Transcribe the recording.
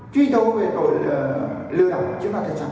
chuyên thông về tội lừa đồng chứ không phải thật xác